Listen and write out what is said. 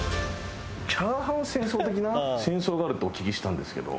チャーハン戦争的な戦争があるってお聞きしたんですけど。